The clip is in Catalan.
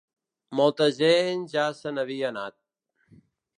Molta gent ja se n’havia anat.